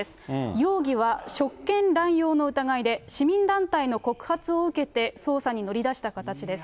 容疑は職権乱用の疑いで、市民団体の告発を受けて、捜査に乗り出した形です。